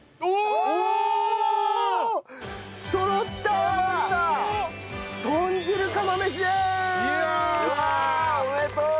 わあおめでとう！